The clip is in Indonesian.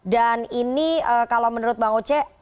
ini kalau menurut bang oce